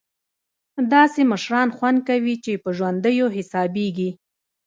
داسې مشران خوند کوي چې په ژوندیو حسابېږي.